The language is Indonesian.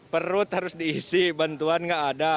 perut harus diisi bantuan nggak ada